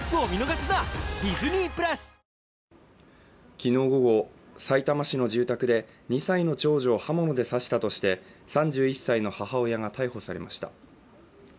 昨日午後、さいたま市の住宅で２歳の長女を刃物で刺したとして３１歳の母親が逮捕されました。